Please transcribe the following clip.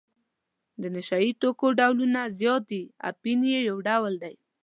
د نشه یي توکو ډولونه زیات دي اپین یې یو ډول دی.